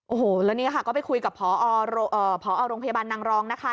โอ้โหแล้วนี่ค่ะก็ไปคุยกับพอโรงพยาบาลนางรองนะคะ